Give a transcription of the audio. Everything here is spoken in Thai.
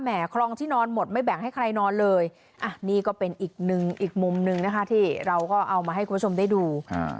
คลองที่นอนหมดไม่แบ่งให้ใครนอนเลยอ่ะนี่ก็เป็นอีกหนึ่งอีกมุมหนึ่งนะคะที่เราก็เอามาให้คุณผู้ชมได้ดู